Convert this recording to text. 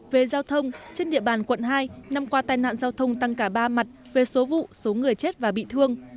về giao thông trên địa bàn quận hai năm qua tai nạn giao thông tăng cả ba mặt về số vụ số người chết và bị thương